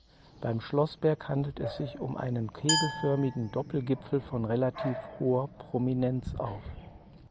Beim Schlossberg handelt es sich um einen kegelförmigen Doppelgipfel von relativ hoher Prominenz auf.